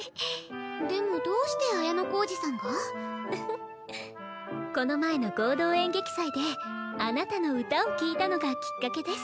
でもどうして綾小路さんが？ウフッこの前の合同演劇祭であなたの歌を聴いたのがきっかけです。